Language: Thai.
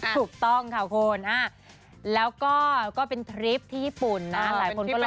ถูกต้องค่ะคุณแล้วก็เป็นทริปที่ญี่ปุ่นนะหลายคนก็เลย